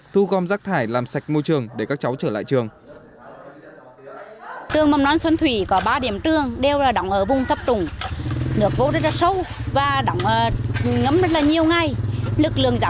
thu gom rác thải làm sạch môi trường để các cháu trở lại trường